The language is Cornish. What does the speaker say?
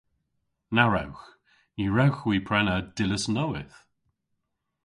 Na wrewgh. Ny wrewgh hwi prena dillas nowydh.